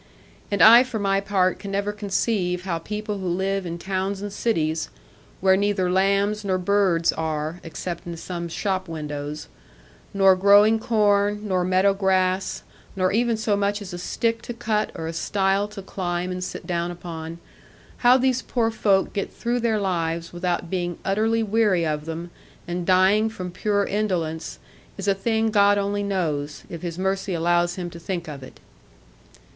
And I for my part can never conceive how people who live in towns and cities, where neither lambs nor birds are (except in some shop windows), nor growing corn, nor meadow grass, nor even so much as a stick to cut or a stile to climb and sit down upon how these poor folk get through their lives without being utterly weary of them, and dying from pure indolence, is a thing God only knows, if His mercy allows Him to think of it.